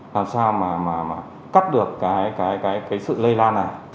làm sao mà cắt được cái sự lây lan này